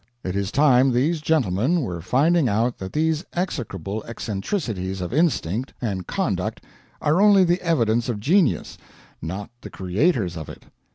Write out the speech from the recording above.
It is time these gentlemen were finding out that these execrable eccentricities of instinct and conduct are only the evidences of genius, not the creators of it.